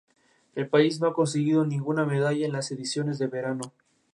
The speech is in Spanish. El país no ha conseguido ninguna medalla en las ediciones de verano.